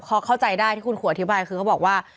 พอเข้าใจได้ที่คุณครูอธิบายคือเขาบอกว่า